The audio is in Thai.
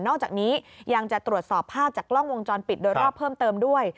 อกจากนี้ยังจะตรวจสอบภาพจากกล้องวงจรปิดโดยรอบเพิ่มเติมด้วย